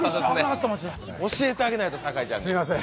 教えてあげないと、酒井ちゃんに。